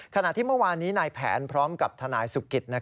ขณะที่เมื่อวานนี้นายแผนพร้อมกับทนายสุกิต